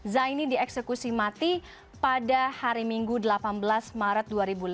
zaini dieksekusi mati pada hari minggu delapan belas maret dua ribu lima belas